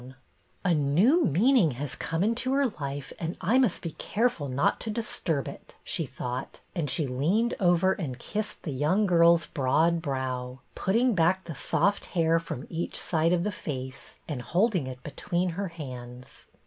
RETURN OF THE MARINER 223 " A new meaning has come into her life and I must be careful not to disturb it," she thought ; and she leaned over and kissed the young girl's broad brow, putting back the soft hair from each side of the face, and bold ine it between her hands.